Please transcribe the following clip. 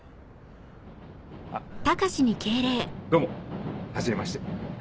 あっどうもはじめまして。